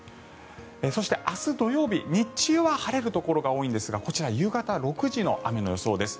そして、明日土曜日日中は晴れるところが多いんですがこちら、夕方６時の雨の予想です。